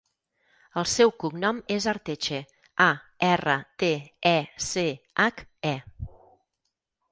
El seu cognom és Arteche: a, erra, te, e, ce, hac, e.